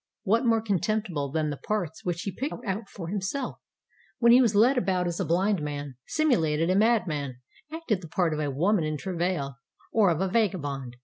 What more contemptible than the parts which he picked out for himself ; when he was led about as a bhnd man, simulated a madman, acted the part of a woman in travail, or of a vagabond.